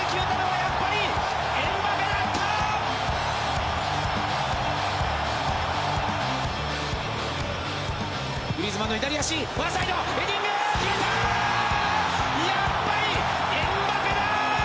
やっぱりエムバペだ！